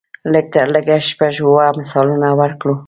لږ تر لږه شپږ اووه مثالونه ورکړو.